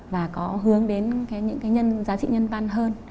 và có hướng đến những cái giá trị nhân văn hơn